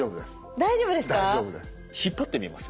大丈夫です。